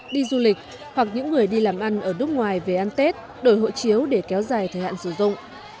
đi du lịch hoặc những người đi làm ăn ở nước ngoài về ăn tết đổi hộ chiếu để kéo dài thời hạn sử dụng